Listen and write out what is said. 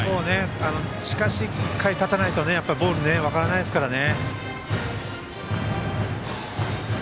しかし、１回立たないとボール分からないですからね。